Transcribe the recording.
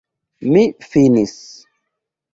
Mi finis.